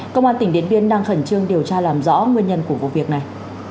công an tỉnh điện biên đang khẩn trương điều tra làm rõ nguyên nhân của vụ việc này